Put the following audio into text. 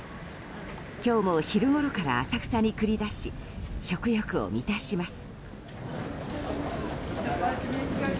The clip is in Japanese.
今日も昼ごろから浅草に繰り出し食欲を満たします。